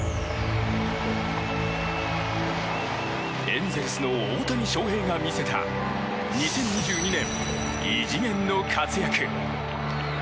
エンゼルスの大谷翔平が見せた２０２２年、異次元の活躍。